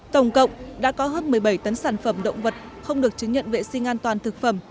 tổng cộng đã có hơn một mươi bảy tấn sản phẩm động vật không được chứng nhận vệ sinh an toàn thực phẩm